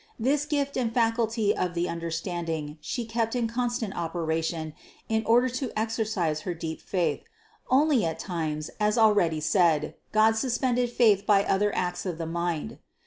This gift and faculty of the understanding She kept in constant operation in order to exercise her deep faith ; only at times, as already said, God suspended faith by other acts of the mind (No.